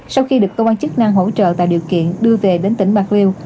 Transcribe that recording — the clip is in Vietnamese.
sau khi được công an chức năng hỗ trợ tạo điều kiện đưa về đến tỉnh bạc liêu